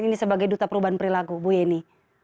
ini sebagai duta perubahan perilaku bu yeni